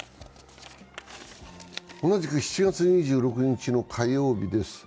同じく７月２６日の火曜日です